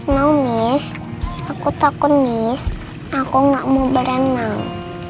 no miss aku takut miss aku gak mau berenang